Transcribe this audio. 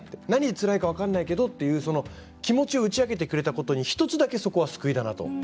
何につらいか分からないけどっていうその気持ちを打ち明けてくれたことに１つだけ、そこは救いだなと。